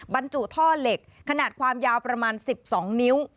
บรรจุท่อเหล็กขนาดความยาวประมาณ๑๒นิ้ว